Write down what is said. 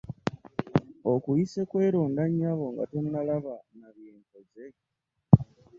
Okuyise kweronda nnyabo nga tonnalaba na bye nkoze!